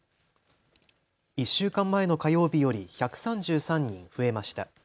１週間前の火曜日より１３３人増えました。